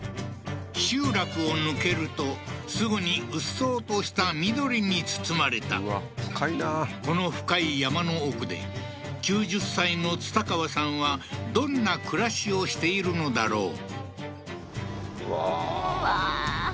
集落を抜けるとすぐにうっそうとした緑に包まれたうわ深いなこの深い山の奥で９０歳のツタカワさんはどんな暮らしをしているのだろう？